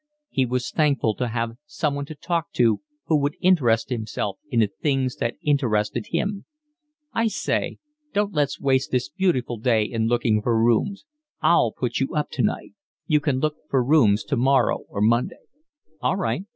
He was thankful to have someone to talk to who would interest himself in the things that interested him. "I say don't let's waste this beautiful day in looking for rooms. I'll put you up tonight. You can look for rooms tomorrow or Monday." "All right.